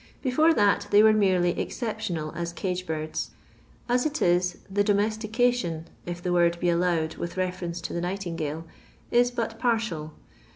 Before that they were merely exceptional as cage birds. As it is, the " domestication," if the word be allowable with reference to the night ingale, is but partial.